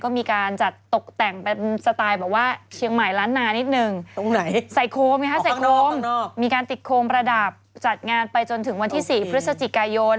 มีการติดโคมประดับจัดงานไปจนถึงวันที่๔พฤศจิกายน